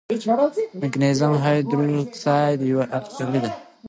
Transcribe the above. مګنیزیم هایدروکساید یوه القلي ده.